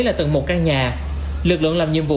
là tầng một căn nhà lực lượng làm nhiệm vụ